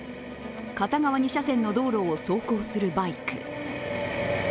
片側２車線の道路を走行するバイク。